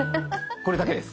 これだけです。